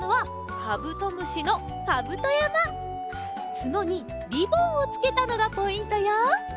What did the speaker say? つのにりぼんをつけたのがポイントよ。